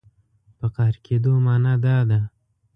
په قهر کېدو معنا دا ده.